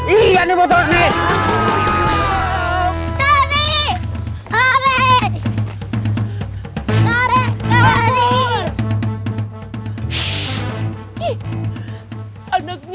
iya nih bawa telor nih